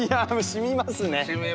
染みます。